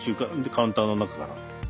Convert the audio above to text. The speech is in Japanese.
カウンターの中から。